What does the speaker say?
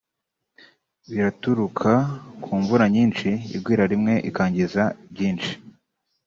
biraturuka ku mvura nyinshi igwira rimwe ikangiza byinshi